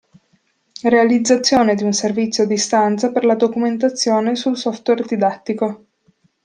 Realizzazione di un servizio a distanza per la documentazione sul software didattico.